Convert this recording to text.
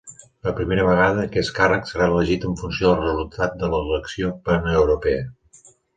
Per primera vegada, aquest càrrec serà elegit en funció del resultat de l'elecció paneuropea.